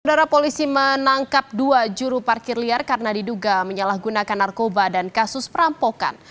saudara polisi menangkap dua juru parkir liar karena diduga menyalahgunakan narkoba dan kasus perampokan